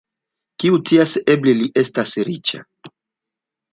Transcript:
Kiu scias, eble li estas riĉa!